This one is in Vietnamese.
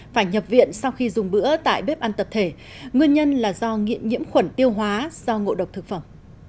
phải nhập viện sau khi dùng bữa tại bếp ăn tập thể nguyên nhân là do nghiện nhiễm khuẩn tiêu hóa do ngộ độc thực phẩm